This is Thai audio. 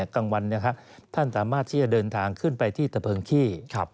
กลางวันท่านสามารถที่จะเดินทางขึ้นไปที่ตะเพิงขี้